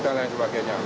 dan lain sebagainya